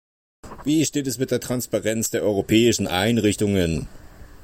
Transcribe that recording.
Wie steht es mit der Transparenz der europäischen Einrichtungen?